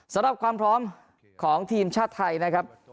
สำหรับความพร้อมของทีมชาติไทยนะครับ